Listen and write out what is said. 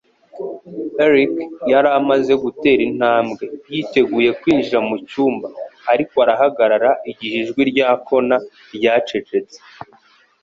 Eric yari amaze gutera intambwe, yiteguye kwinjira mu cyumba, ariko arahagarara igihe ijwi rya Connor ryacecetse.